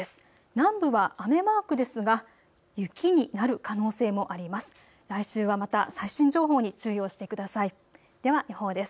南部は雨マークですが雪になる可能性もあります。